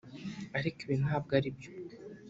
ariko ibi ntago aribyo